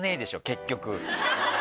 結局。